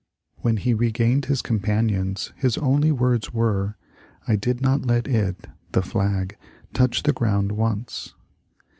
When he regained his companions, his only words were, ^' I did not let it (the flag) touch the ground once.